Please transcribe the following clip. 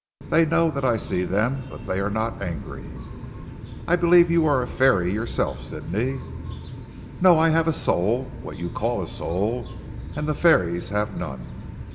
They know that I see them; but they are not angry." "I believe you are a fairy yourself Sidney." "No. I have a soul what you call a soul and the fairies have none.